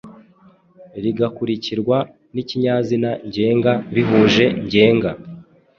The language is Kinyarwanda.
rigakurikirwa n’ikinyazina ngenga bihuje ngenga.